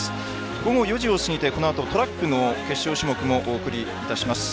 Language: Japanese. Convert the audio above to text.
午後４時を過ぎてこのあとトラックの決勝種目もお送りいたします。